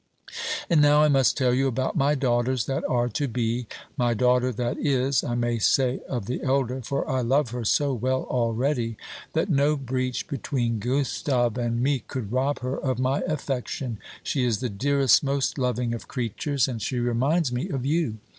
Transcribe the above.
And now I must tell you about my daughters that are to be my daughter that is, I may say of the elder for I love her so well already that no breach between Gustave and me could rob her of my affection. She is the dearest, most loving of creatures; and she reminds me of you!